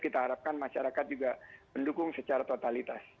kita harapkan masyarakat juga mendukung secara totalitas